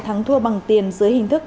thắng thua bằng tiền dưới hình thức